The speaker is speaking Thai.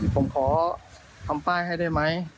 ผมขอทำป้ายให้ได้ไหม